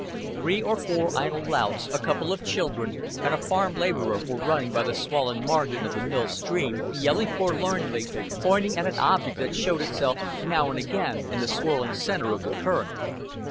Three or four idle louts, a couple of children, and a farm laborer were running by the swollen margin of the mill stream, yelling forlornly, pointing at an object that showed itself now and again in the swirling center of the current.